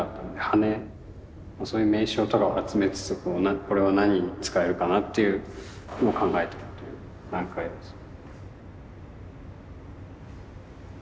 羽根そういう名称とかを集めつつこれは何に使えるかなっていうのを考えてるという段階です。